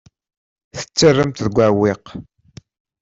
Tettarram-t deg uɛewwiq.